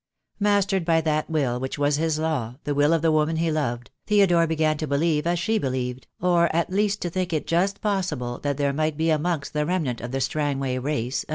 Mastered by that will which was his law, the will of the woman he loved, Theodore began to believe as she believed, or at least to think it just possible that there might be amongst the remnant of the Strangway race a 164 THE DAY WILL COME.